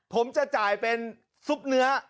ผมจะจ่ายเป็นซุปเนื้อ